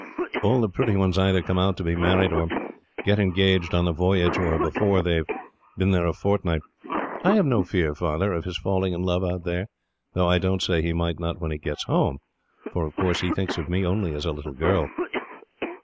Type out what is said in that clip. "'All the pretty ones either come out to be married, or get engaged on the voyage, or before they have been there a fortnight. I have no fear, Father, of his falling in love out there, though I don't say he might not when he gets home, for of course he thinks of me only as a little girl.'